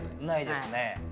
ないですね。